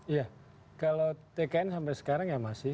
iya kalau tkn sampai sekarang ya masih